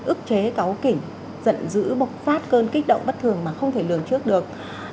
ức chế cáu kỉnh giận dữ bộc phát cơn kích động bất thường mà không thể lường trước được